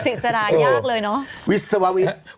สื่อศิษยายากเลยเนาะ